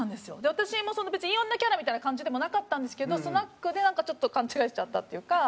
私も別にいい女キャラみたいな感じでもなかったんですけどスナックでなんかちょっと勘違いしちゃったっていうか。